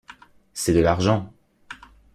c’est de l’argent!